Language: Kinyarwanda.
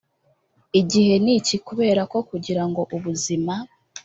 igihe ni iki kubera ko kugira ngo ubuzima